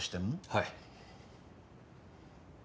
はい。